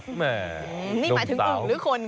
นี่หมายถึงอึงหรือคน